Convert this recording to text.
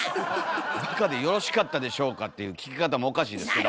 「バカでよろしかったでしょうか」っていう聞き方もおかしいですけど。